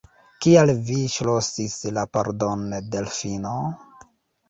Kial vi ŝlosis la pordon, Delfino?